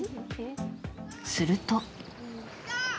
すると。